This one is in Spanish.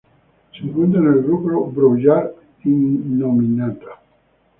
Se encuentra en el grupo Brouillard-Innominata.